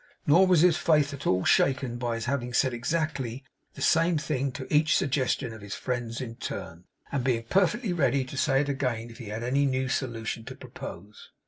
Nor was his faith at all shaken by his having said exactly the same thing to each suggestion of his friend's in turn, and being perfectly ready to say it again if he had any new solution to propose.